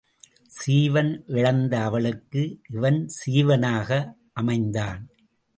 சீவன் இழந்த அவளுக்கு இவன் சீவனாக அமைந்தான்.